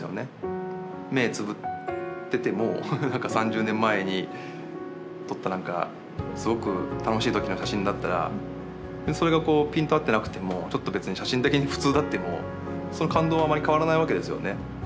目つぶってても何か３０年前に撮った何かすごく楽しい時の写真だったらそれがピント合ってなくてもちょっと別に写真的に普通であってもその感動はあまり変わらないわけですよね。